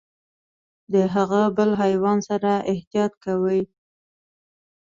د هغه بل حیوان سره احتياط کوئ .